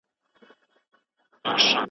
نه د نن په رنګ پوهېږم نه خبر یم له انجامه